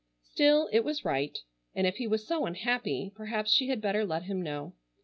Still, it was right, and if he was so unhappy, perhaps she had better let him know.